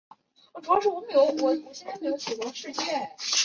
南亚裔族群是一个由二千多个不同种族构成的多元族群。